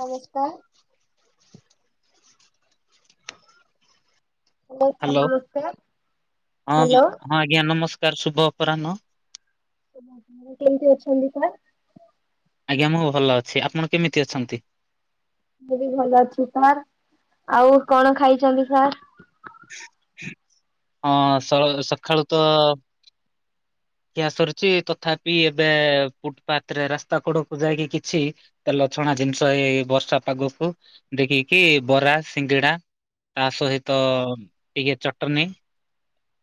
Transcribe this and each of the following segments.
ନମସ୍କାର। ହ sir hello ନମସ୍କାର ହଁ ହ୍ୟାଲୋ। ହଁ ଆଜ୍ଞା ନମସ୍କାର ଶୁଭ ଅପରାହ୍ନ। କେମିତି ଅଛନ୍ତି ସାର୍। ଆଜ୍ଞା ମୁଁ ଭଲ ଅଛି ଆପଣ କେମିତି ଅଛନ୍ତି। ମୁଁ ବି ଭଲ ଅଛି ସାର୍ ଆଉ କଣ ଖାଇଛନ୍ତି ସାର୍। ହଁ ସ ସକାଳୁ ତ। ସରିଛି ତଥାପି ଏବେ ଫୁଟପାଥ ରେ ରାସ୍ତା କଡକୁ ଯାଇକି କିଛି। ତେଲଛଣା ଜିନିଷ ଏଇ ବର୍ଷା ପାଗକୁ ଦେଖିକି ବରା ସିଙ୍ଗିଡା। ତା ସହିତ ଟିକେ ଚଟଣି।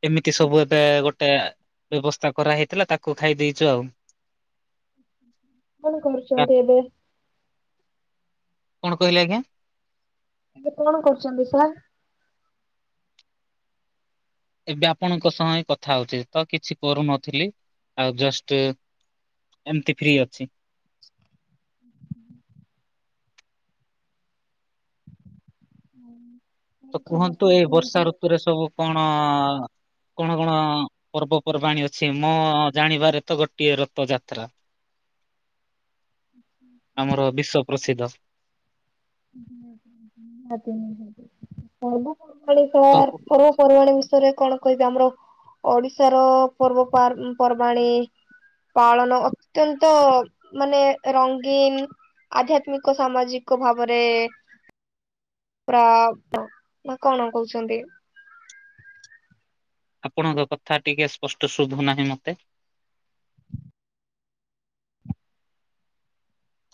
ଏମିତି ସବୁ ଏବେ ଗୋଟେ ବ୍ୟବସ୍। ସ୍ତା କରା ହେଇଥିଲା ତାକୁ ଖାଇ ଦେଇଛୁ ଆଉ। କଣ ଆ- କରୁଛନ୍ତି ଏବେ। କଣ କହିଲେ ଆଜ୍ଞା। ଏବେ କଣ କରୁଛନ୍ତି ସାର୍। ଏବେ ଆପଣଙ୍କ ସହ ହିଁ କଥା ହଉଚି ତ କିଛି କରୁନଥିଲି ଆଉ ଜଷ୍ଟ। ଏମିତି ଫ୍ରି ଅଛି। ହୁଁ। ତ କୁହନ୍ତୁ ଏଇ ବର୍ଷା ଋତୁରେ ସବୁ କଣ କଣ କଣ ପର୍ବପର୍ବାଣୀ ଅଛି ମୋ ଜାଣିବାରେ ତ ଗୋଟିଏ ରଥଯାତ୍ରା। ଆମର ବିଶ୍ଵ ପ୍ରସିଦ୍ଧ। [inaudible] ପର୍ବପର୍ବାଣ ତ ସ କୁ- ପର୍ବପର୍ବାଣୀ ବିଷୟରେ କଣ? କହିବି ଆମର ଓଡିଶାର ପର୍ବ ପର୍ବାଣି। ପାଳନ ଅତ୍ୟନ୍ତ ମାନେ ରଙ୍ଗୀନ। ଆଧ୍ୟାତ୍ମିକ ସାମାଜିକ ଭାବରେ। ପୁରା ନା କଣ କହୁଛନ୍ତି? ଆପଣଙ୍କ କଥା ଟିକେ ସ୍ପଷ୍ଟ ଶୁଭୁ ନାହିଁ ମତେ।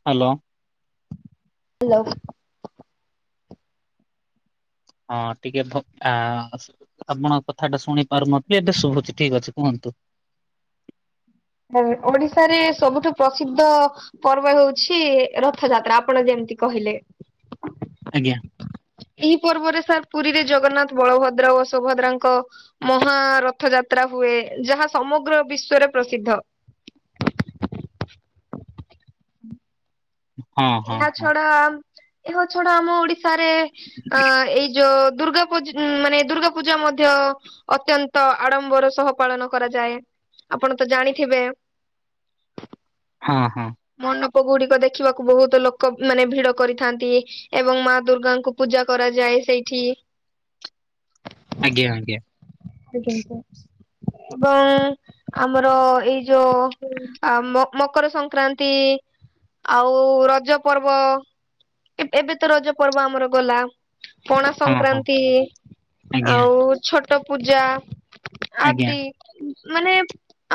ହାଲୋ। ହାଲୋ। ହଁ ଟିକେ ଫକାଅଁ ହସ। ଆପଣଙ୍କ କଥାଟା ଶୁଣି ପାରୁନଥିଲେ ଏତେ ଶୁଭୁଚି ଠିକ ଅଛି କୁହନ୍ତୁ? ହୁଁ ଓଡିଶାରେ ସବୁଠୁ ପ୍ରସିଦ୍ଧ ପର୍ବ ହେଉଛି ରଥଯାତ୍ରା ଆପଣ ଯେମତି କହିଲେ? ଆଜ୍ଞା। ଏହି ପର୍ବରେ ସାର୍ ପୁରୀରେ ଜଗନ୍ନାଥ ବଳଭଦ୍ର ଓ ସୁଭଦ୍ରାଙ୍କ ମହା ରଥଯାତ୍ରା ହୁଏ ଯାହା ସମଗ୍ର ବିଶ୍ଵରେ ପ୍ରସିଦ୍ଧ। ହଁ ହଁ ଏହା ହଁ। ଛଡା ଏହା ଛଡା ଆମ ଓଡିଶାରେ ଅ ଏଇ ଯୋଉ ଦୁର୍ଗା ପୂଜ ଉମ୍ ମାନେ ଦୁର୍ଗା ପୂଜା ମଧ୍ୟ ଅତ୍ୟନ୍ତ ଆଡମ୍ବର ସହ ପାଳନ କରାଯାଏ। ଆପଣ ତ ଜାଣିଥିବେ? ହଁ ହଁ। ମଣ୍ଡପ ଗୁଡିକ ଦେଖିବାକୁ ବହୁତ ଲୋକ ଉଁ ମାନେ ଭିଡ କରିଥାନ୍ତି। ଏବଂ ମା ଦୁର୍ଗାଙ୍କୁ ପୂଜା କରାଯାଏ ସେଇଠି। ଆଜ୍ଞା! ଆଜ୍ଞା। ଏବଂ ଆମର ଏଇ ଯୋଉ ହଉ। ଆ ମ ମକର ସଂକ୍ରାନ୍ତି ଆଉ ରଜ ପର୍ବ। ଏବ ଏବେ ତ ରଜ ପର୍ବ ଆମର ଗଲା। ପଣା ହଁ ହଁ ସଂକ୍ରାନ୍ତି ଆଜ୍ଞା ଆଉ ଛଟ ପୂଜା ଆଜ୍ଞା ଆଦି ମାନେ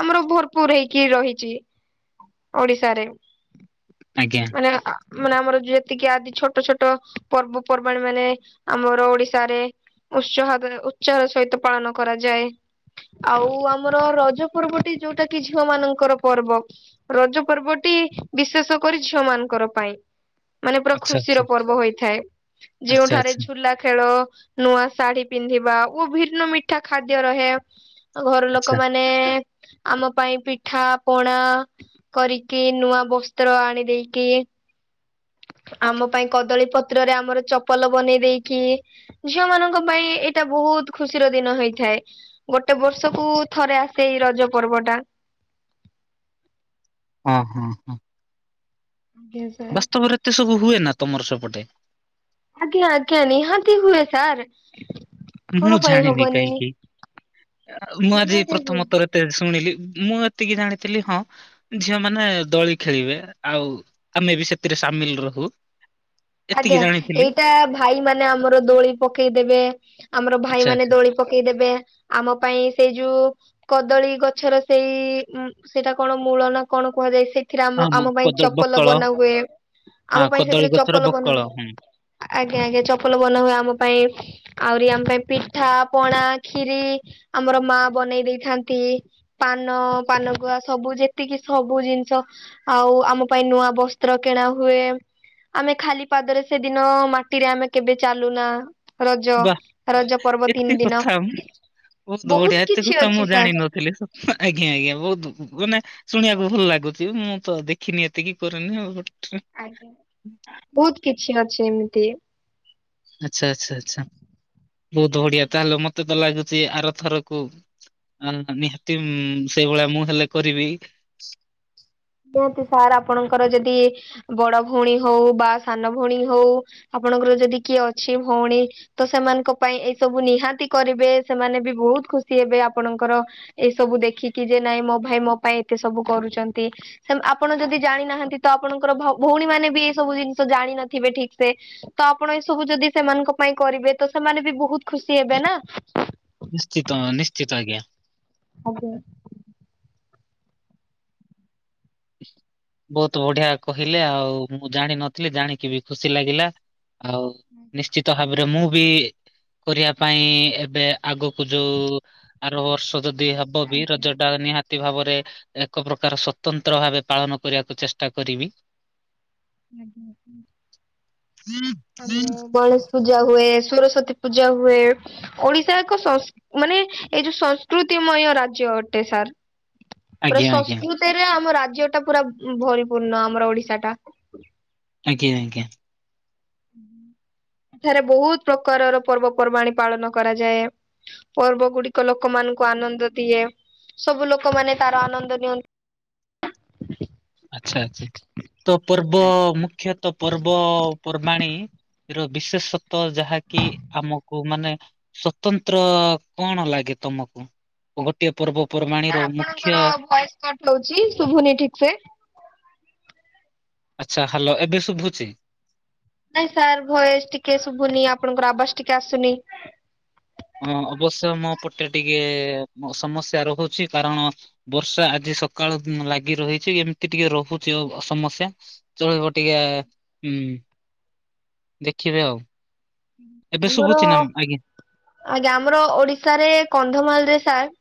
ଆମର ଭରପୁର ହେଇକି ରହିଚି। ଓଡିଶାରେ। ଆଜ୍ଞା। ମାନେ ଆ ଆ ମାନେ ଆମର ଯେତିକି ଆଦି ଛୋଟ ଛୋଟ ପର୍ବପର୍ବାଣି ମାନେ ଆମର ଓଡିଶାରେ ଉତ୍ସହାତ ଉଚାହର ସହିତ ପାଳନ କରାଯାଏ। ଆଉ ଆମର ରଜ ପର୍ବଟି ଯୋଉଟା କି ଝିଅ ମାନଙ୍କର ପର୍ବ। ରଜ ପର୍ବଟି ବିଶେଷ କରି ଝିଅ ମାନଙ୍କର ପାଇଁ। ମାନେ ପୁରା ଆଚ୍ଛା ଖୁସିର ପର୍ବ ହୋଇଥାଏ ଆଚ୍ଛା ଯୋଉଁଠାରେ ଝୁଲା ଖେଳ ନୂଆ ଶାଢୀ ପିନ୍ଧିବା ଓ ଭିନ୍ନ ମିଠା ଖାଦ୍ୟ ରହେ ଘର ଆଚ୍ଛା ଆଚ୍ଛା ଆଚ୍ଛା ଲୋକମାନେ ମାନେ ଆମ ପାଇଁ ପିଠା ପଣା କରିକି ନୂଆ ବସ୍ତ୍ର ଆଣି ଦେଇକି ଆମ ପାଇଁ କଦଳୀ ପତ୍ରରେ ଆମର ଚପଲ ବନେଇ ଦେଇକି ଝିଅ ମାନଙ୍କ ପାଇଁ ଏ ଏଇଟା ବୋହୁତ ଖୁସିର ଦିନ ହେଇଥାଏ। ଗୋଟେ ବର୍ଷକୁ ଥରେ ଆସେ ଏଇ ରଜ ପର୍ବ ଟା। ହଁ ହଁ ହଁ। ଆଜ୍ଞା [unintelligible] ବାସ୍ତବରେ ଏତେ ସବୁ ହୁଏ ନା ତମର ସେପଟେ। ଆଜ୍ଞା ଆଜ୍ଞା ନିହାତି ହୁଏ ସାର୍। କଣ ମୁଁ ପାଇଁ ଜାଣିନି ହବନିନି କାଇଁକି ଅ ଉ ମୁଁ ଆଜି ନିହାତି ହୁଏ। ପ୍ରଥମତଃ ଯେତେବେଳେ ଶୁଣିଲି ମୁଁ ଏତିକି ଜାଣିଥିଲି ହଁ ଝିଅ ମାନେ ଦୋଳି ଖେଳିବେ ଆଉ ଆମେ ବି ସେଥିରେ ସାମିଲ ରହୁ। ଆଜ୍ଞା ଏତିକି ଜାଣିଥିଲି ଏଇଟା ଭାଇ ମାନେ ଆମର ଦୋଳି ପକେଇ ଦେବେ ଆମର ଭାଇ ଆଚ୍ଛା ମାନେ ଆଚ୍ଛା ଦୋଳି ପକେଇଦେବେ ଆମ ପାଇଁ ସେଇ ଯୋଉ କଦଳୀ ଗଛର ସେଇ ଉଁ ସେଇଟା କଣ ମୂଳ ନା କଣ କୁହାଯାଏ ସେ ସେଟା ହଁ ଆମ ମ ଆମ ପାଇଁ କଦ ଚପଲ ବକଳ ବନାହୁଏ ହଁ ଆମ ପାଇଁ କଦଳୀ ସେଥିରେ ଚ ଗଛର ବକଳ ହୁଁ। ଆଜ୍ଞା ଆଜ୍ଞା ଚପଲ ବନାହୁଏ ଆମ ପାଇଁ। ଆଉରି ଆମ ପାଇଁ ପିଠା ପଣା ଖିରି ଆମର ମା ବନେଇ ଦେଇଥାନ୍ତି। ପାନ ପାନଗୁଆ ସବୁ ଯେ ଏତିକି ସବୁ ଜିନିଷ ଆଉ ଆମ ପାଇଁ ନୂଆ ବସ୍ତ୍ର କିଣା ହୁଏ। ଆମେ ଖାଲି ପାଦରେ ସେଦିନ ମାଟିରେ ଆମେ କେବେ ଚାଲୁନା। ରଜ ବାଃ ରଜପର୍ବ ଏତେ ତିନିଦିନ। କଥା ମୁଁ- ବଢିଆ ବହୁତ ଏତେ କିଛି କଥା ମୁଁ ଅଛି ସାର୍। ଜାଣିନଥିଲି ଆଜ୍ଞା ଆଜ୍ଞା ବହୁତ ଗୁନେ ଶୁଣିବାକୁ ଭଲ ଲାଗୁଛି ମୁଁ ତ ଦେଖିନି ଏତିକି କରିନି ଆଉ। ଆଜ୍ଞା। ବହୁତକିଛି ଅଛି ଏମିତି ଆଚ୍ଛା ଆଚ୍ଛା ଆଚ୍ଛା ବହୁତ ବଢିଆ ତାହେଲେ ମତେ ତ ଲାଗୁଛି ଆରଥରକୁ ଆ ନିହାତି ସେଇଭଳିଆ ମୁଁ ହେଲେ କରିବି। ସାର୍ ଆପଣଙ୍କର ଯଦି ବଡ ଭଉଣୀ ହଉ, ବା ସାନ ଭଉଣୀ ହଉ। ଆପଣଙ୍କର ଯଦି କିଏଅଛି ଭଉଣୀ ତ ସେମାନଙ୍କ ପାଇଁ ଏଇସବୁ ନିହାତି କରିବେ ସେମାନେ ବି ବହୁତ ଖୁସିହେବେ ଆପଣଙ୍କର ଏସବୁ ଦେଖିକି ଯେ ନାଇଁ ମୋ ଭାଇ ମୋ ପାଇଁ ଏତେ ସବୁ କରୁଛନ୍ତି। ଆପଣ ଯଦି ଜାଣିନାହାନ୍ତି ତ ଆପଣଙ୍କର ଭଉଣୀ ମାନେ ବି ଏଇସବୁ ଜିନଷ ଜାଣିିନଥିବେ ଠିକ୍ ସେ। ତ ଆପଣ ଏ ସବୁ ଯଦି ସେମାନଙ୍କ ପାଇଁ କରିବେ ତ ସେମାନେ ବି ବହୁତ ଖୁସି ହେବେ ନା। ନିଶ୍ଚିତ ନିଶ୍ଚିତ ଆଜ୍ଞା। ଆଜ୍ଞା। ବହୁତ ବଢିଆ କହିଲେ ଆଉ ମୁଁ ଜାଣିନଥିଲି। ଜାଣିକି ବି ଖୁସି ଲାଗିଲା। ଆଉ ହୁଁ। ନିଶ୍ଚିତ ଭାବରେ ମୁଁ ବି କରିବା ପାଇଁ ଏବେ ଆଗକୁ ଯୋଉ ଆରବର୍ଷ ବି ହବକି ରଜଟା ନିହାତି ଭାବରେ ଏକପ୍ରକାର ସତନ୍ତ ନ୍ତ୍ର ଭାବେ ପାଳନ କରିବାକୁ ଚେଷ୍ଟା କରିବି। ବ [unintelligible] ପୂଜା ହୁଏ ସ୍ଵରସ୍ଵତୀ ପୂଜା ହୁଏ। ଓଡିଶା ଏକ ସଂସ ମାନେ ଏଇ ଯୋଉ ସଂସ୍କୃତିମୟ ରାଜ୍ୟ ଅଟେ ସାର୍। ପୁରା ଆଜ୍ଞା ଆଜ୍ଞା ସଂସ୍କୃତିରେ ଆମ ରାଜ୍ୟଟା ପୁରା ଭରିପୂର୍ଣ ଆମର ଓଡିଶା ଟା। ଆଜ୍ଞା ଆଜ୍ଞା। ଏଠାରେ ବହୁତ ପ୍ରକାରର ପର୍ବପର୍ବାଣିୀ ପାଳନ କରାଯାଏ। ପର୍ବ ଗୁଡିକ ଲୋକମାନଙ୍କୁ ଆନନ୍ଦ ଦିଏ। ସବୁ ଲୋକମାନେ ତାର ଆନନ୍ଦ ନିଅନ୍ତି। ଆଚ୍ଛା ଆଚ୍ଛା। ତ ପର୍ବ ମୁଖ୍ୟତଃ ପର୍ବପର୍ବାଣି। ର ବିଶେଷତ୍ୱ ଯାହାକି ଆମକୁ ମାନେ ସ୍ଵତନ୍ତ୍ର କଣ ଲାଗେ ତମକୁ? ଭାରତିୟ ପର୍ବପର୍ବାଣିର ମୁଖ୍ୟ କଟ୍ ହଉଛି ଶୁଭୁନି ଠିକ୍ ସେ? ଆଚ୍ଛା। ହାଲୋ ଏବେ ଶୁଭୁଛି,? ନାଇଁ ସାର୍ ଭୟସେ୍ ଟିକେ ଶୁଭୁନି ଆପଣଙ୍କର ଆବାଜ୍ ଟିକେ ଆସୁନି। ହଁ ଅବଶ୍ୟ ମୋପଟେ ଟିକେ ସମସ୍ୟା ରହୁଛି କାରଣ ବର୍ଷା ଆଜି ସକାଳୁ ଲାଗିରହିଛି ଏମତି ଟିକେ ରହୁଛି ସମସ୍ୟା। ଚଳିବ ଟିକେ ହୁଁ। ଦେଖିବେ ଆଉ। ଏବେ ଆମର। ଶୁଭୁଛି ନା ଆଜ୍ଞା ଆଜ୍ଞା ଆମର ଓଡିଶାରେ କନ୍ଧମାଳରେ ସାର୍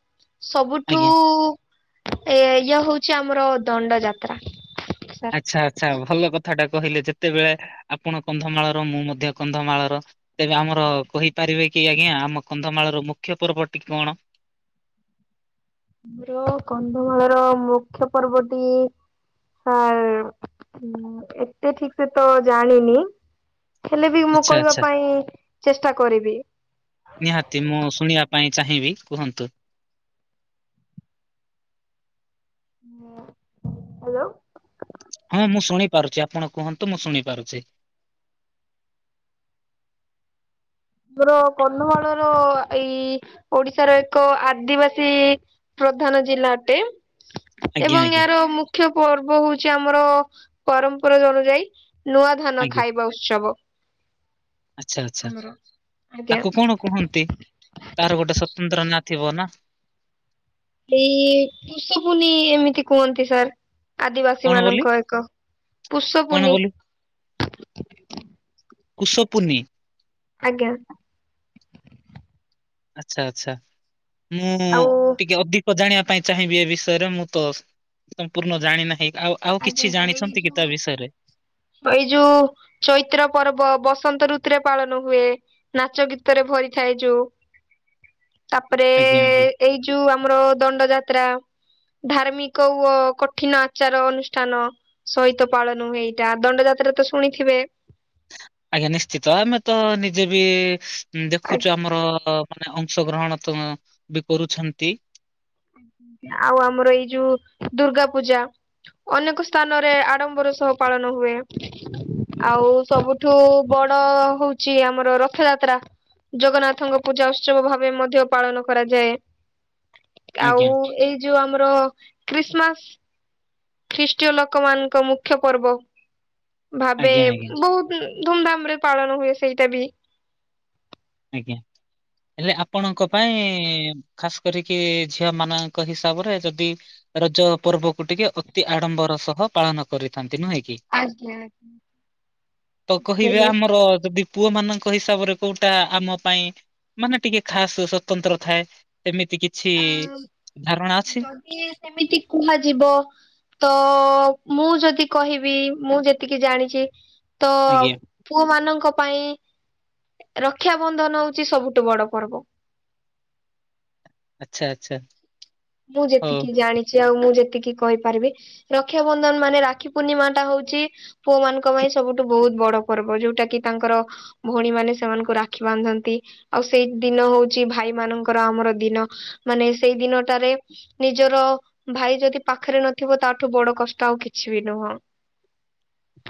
ସବୁଠୁ ଆଜ୍ଞା। ଏ ଇଏ ହଉଛି ଆମର ଦଣ୍ଡ ଯାତ୍ରା। ସାର୍। ଆଚ୍ଛା ଆଚ୍ଛା ଭଲ କଥାଟା କହିଲେ ଯେତେବେଳେ ଆପଣ କନ୍ଧମାଳର ମୁଁ ମଧ୍ୟ କନ୍ଧମାଳର। ତେବେ ଆମର କହିପାରିବେ କି ଆଜ୍ଞା ଆମ କନ୍ଧମାଳର ମୁଖ୍ୟ ପର୍ବଟି କଣ? ଆମର କନ୍ଧମାଳର ମୁଖ୍ୟ ପର୍ବଟି। ସାର୍ ଏତେ ଠିକ ସେ ତ ଜାଣିନି। ହେଲେ ବି ମୁଁ ଆଚ୍ଛା କହିବା ଆଚ୍ଛା ପାଇଁ ଚେଷ୍ଟା କରିବି। ନିହାତି ମୁଁ ଶୁଣିବା ପାଇଁ ଚାହିଁବି କୁହନ୍ତୁ? ହଁ ହାଲୋ। ହଁ ମୁଁ ଶୁଣି ପାରୁଚି ଆପଣ କୁହନ୍ତୁ ମୁଁ ଶୁଣି ପାରୁଚି। ଆମର କନ୍ଧମାଳର ଏଇ ଓଡିଶାର ଏକ ଆଦିବାସୀ ପ୍ରଧାନ ଜିଲ୍ଲା ଅଟେ। ଆଜ୍ଞା ଏବଂ ଆଜ୍ଞା ଏହାର ମୁଖ୍ୟ ପର୍ବ ହଉଛି ଆମର ପରମ୍ପରା ଅନୁଯାୟୀ ନୂଆ ଧାନ ଆଜ୍ଞା ଖାଇବା ଉତ୍ସବ। ଆଚ୍ଛା ଆଚ୍ଛା ଆମର ଆଜ୍ଞା ତାକୁ କଣ କୁହନ୍ତି ତାର ଗୋଟେ ସ୍ଵତନ୍ତ୍ର ନା ଥିବ ନା? ଏଇ କୁଷପୁନେଇ ଏମିତି କୁହନ୍ତି ସାର୍। ଆଦିବାସୀ କଣ ବୋଲି ମାନଙ୍କର ତ ପୁଷୁ ପୁନେଇ। କୁଶପୁନେଈ? ଆଜ୍ଞା। ଆଚ୍ଛା ଆଚ୍ଛା ମୁଁ ଆଉ ଟିକେ ଅଧିକ୍ ତ ଜାଣିବା ପାଇଁ ଚାହିଁବି ଏ ବିଷୟରେ ମୁଁ ତ ସମ୍ପୂର୍ଣ୍ଣ ଜାଣି ନାହିଁ ଆଉ ଆଉ ଆଜ୍ଞା କିଛି ସାର୍ ଏଇ ଜାଣିଛନ୍ତି କି ଯୋଉ ତା ବିଷୟରେ? ଏଇ ଯୋଉ ଚୈତ୍ର ପର୍ବ ବସନ୍ତ ଋତୁରେ ପାଳନ ହୁଏ। ନାଚ ଗୀତରେ ଭରିଥାଏ ଯୋଉ ତାପରେ ଆଜ୍ଞା ଆଜ୍ଞା ଏଇ ଯୋଉ ଆମର ଦଣ୍ଡ ଯାତ୍ରା ଧାର୍ମିକ ଓ କଠିନ ଆଚାର ଅନୁଷ୍ଟ୍ ସ୍ଥାନ ସହିତ ପାଳନ ହୁଏ ଏଇଟା ଦଣ୍ଡ ଯାତ୍ରା ତ ଶୁଣିଥିବେ। ଆଜ୍ଞା ନିଶ୍ଚିତ ଆମେ ତ ନିଜେ ବି ଦେଖୁଚୁ ଆମର ଆମ ମାନେ ଅଂଶ ଗ୍ରହଣ ତ ବି କରୁଛନ୍ତି। ଆଉ ଆମର ଏଇ ଯୋଉ ଦୁର୍ଗା ପୂଜା। ଅନେକ ସ୍ଥାନରେ ଆଡମ୍ବର ସହ ପାଳନ ହୁଏ। ଆଉ ସବୁଠୁ ବଡ ହୋଉଛି ଆମର ରଥଯାତ୍ରା। ଜଗନ୍ନାଥଙ୍କ ପୂଜା ଉତ୍ସବ ଭାବେ ମଧ୍ୟ ପାଳନ କରାଯାଏ। ଆଉ ଆଜ୍ଞା ଏଇ ଯୋଉ ଆମର ଖ୍ରୀଷ୍ଟମାସ। ଖ୍ରୀଷ୍ଟୟ ଲୋକ ମାନଙ୍କ ମୁଖ୍ୟ ପର୍ବ ଭାବେ ଆଜ୍ଞା ଆଜ୍ଞା ବହୁତ ଧୁମ୍ ଧାମ୍ ରେ ପାଳନ ହୁଏ ସେଇଟା ବି। ଆଜ୍ଞା। ହେଲେ ଆପଣଙ୍କ ପାଇଁ ଖାସ୍ କରିକି ଝିଅ ମାନଙ୍କ ହିସାବରେ ଯଦି ରଜ ପର୍ବକୁ ଟିକେ ଅତି ଆଡମ୍ବର ସହ ପାଳନ କରିଥାନ୍ତି ନୁହେଁ କି? ଆଜ୍ଞା। ତ କହିବେ ବୋଇଲେ ଆମର ଯଦି ପୁଅ ମାନଙ୍କ ହିସାବରେ କୋଉ ଟା ଆମ ପାଇଁ ମାନେ ଟିକେ ଖାସ୍ ସ୍ଵତନ୍ତ୍ର ଥାଏ ସେମିତି କି ଛି ଧାରଣା ଅଛି? ଏ ସେମିତି କୁହାଯିବ ତ ମୁଁ ଯଦି କହିବି, ମୁଁ ଯେତିକି ଜାଣିଛି ତ ଆଜ୍ଞା ପୁଅ ମାନଙ୍କ ପାଇଁ ରକ୍ଷାବନ୍ଧନ ହଉଛି ସବୁଠୁ ବଡ ପର୍ବ। ଆଚ୍ଛା, ଆଚ୍ଛା। ମୁଁ ହଉ ଯେତିକି ଜାଣିଛି ଆଉ ମୁଁ ଯେତିକି କହିପାରିବି ରକ୍ଷାବନ୍ଧନ ମାନେ ରାକ୍ଷୀ ପୂର୍ଣ୍ଣିମା ଟା ହଉଛି ପୁଅ ମାନଙ୍କ ପାଇଁ ସବୁଠୁ ବହୁତ ବଡ ପର୍ବ। ଯୋଉଟା କି ତାଙ୍କର ଭଉଣୀମାନେ ସେମାନଙ୍କୁ ରାକ୍ଷୀ ବାନ୍ଧନ୍ତି। ଆଉ ସେଇ ଦିନ ହଉଛି ଭାଇ ମାନଙ୍କର ଆମର ଦିନ ମାନେ ସେଇ ଦିନଟାରେ ନିଜର ଭାଇ ଯଦି ପାଖରେ ନଥିବ, ତାଠୁ ବଡ କଷ୍ଟ ଆଉ କିଛି ବି ନୁହଁ। [inaudible]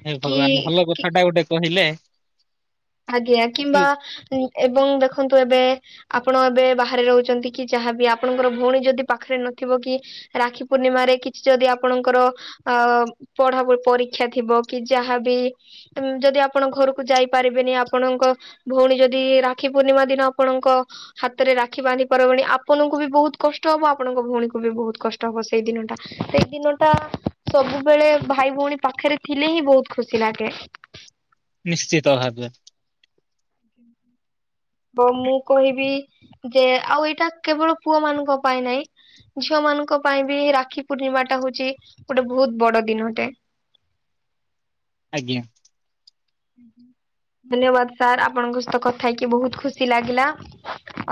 ହେ କି ଭଗବାନ, ଭଲ କଥା ଟା ଗୋଟେ କହିଲେ। ଆଜ୍ଞା କିମ୍ବା ଏବଂ ଦେଖନ୍ତୁ ଏବେ ଆପଣ ଏବେ ବାହାରେ ରହୁଛନ୍ତି କି ଯାହାବି ଆପଣଙ୍କର ଭଉଣୀ ଯଦି ପାଖରେ ନଥିବ କି ରାକ୍ଷୀ ପୂର୍ଣ୍ଣିମାରେ କିଛି ଯଦି ଆପଣଙ୍କର ଅ ପଢା ପଢି ପରୀକ୍ଷା ଥିବ କି ଯାହାବି ଯଦି ଆପଣ ଘରକୁ ଯାଇପାରି ଆପଣଙ୍କ ଭଉଣୀ ଯଦି ରାକ୍ଷୀ ପୂର୍ଣ୍ଣିମା ଦିନ ଆପଣଙ୍କ ହାତରେ ରାକ୍ଷୀ ବାନ୍ଧି ପାରିବନି, ଆପଣଙ୍କୁ ବି ବହୁତ କଷ୍ଟ ହବ। ଆପଣଙ୍କ ଭଉଣୀକୁ ବି ବହୁତ କଷ୍ଟ ହବ। କଷ୍ଟ ହବ ସେଇ ଦିନଟା। ସେଇ ଦିନଟା ସବୁବେଳେ ଭାଇ ଭଉଣୀ ପାଖରେ ଥିଲେ ହିଁ ବହୁତ୍ ଖୁସି ଲାଗେ। ନିଶ୍ଚିତ ଭାବେ। [inaudible] ମୁଁ କହିବି ଯେ ଆଉ ଏଇଟା କେବଳ ପୁଅ ମାନଙ୍କ ପାଇଁ ନାଇଁ ଝିଅ ମାନଙ୍କ ପାଇଁ ବି ରାକ୍ଷୀ ପୂର୍ଣ୍ଣିମା ଟା ହଉଛି, ଗୋଟେ ବହୁତ ବଡ ଦିନଟେ। ଆଜ୍ଞା ହୁଁ ହୁଁ ଧନ୍ୟବାଦ ସାର୍, ଆପଣଙ୍କ ସହିତ କଥା ହେଇକି ବହୁତ ଖୁସି ଲାଗିଲା।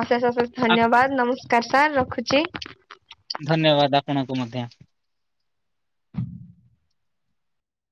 ଅଶେଷ ଅଶେଷ ଆପ- ଧନ୍ୟବାଦ। ନମସ୍କାର ସାର୍, ରଖୁଛି। ଧନ୍ୟବାଦ ଆପଣଙ୍କୁ ମଧ୍ୟ। [inaudible]